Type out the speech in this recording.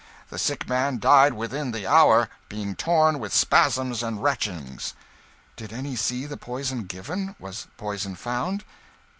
The sick man died within the hour, being torn with spasms and retchings." "Did any see the poison given? Was poison found?"